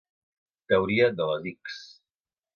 Teoria de les ics.